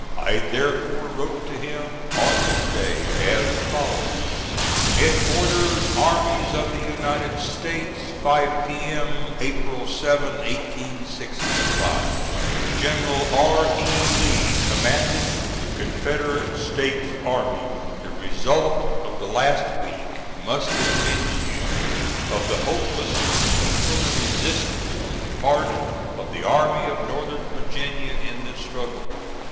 I therefore wrote to him on this day, as follows: HEADQUARTERS ARMIES OF THE U. S., 5 P.M., April 7, 1865. GENERAL R. E. LEE Commanding C. S. A. The result of the last week must convince you of the hopelessness of further resistance on the part of the Army of Northern Virginia in this struggle.